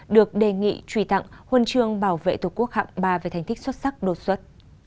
được đề nghị truy tặng huân chương bảo vệ tổ quốc hạng ba về thành tích xuất sắc đột xuất